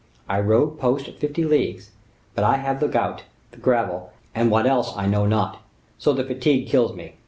I rode post fifty leagues; but I have the gout, the gravel, and what else I know not; so that fatigue kills me.